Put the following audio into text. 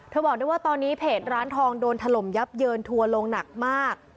บอกได้ว่าตอนนี้เพจร้านทองโดนถล่มยับเยินทัวร์ลงหนักมาก